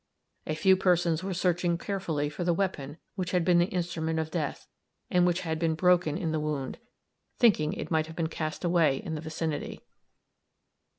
A few persons were searching carefully for the weapon which had been the instrument of death, and which had been broken in the wound, thinking it might have been cast away in the vicinity.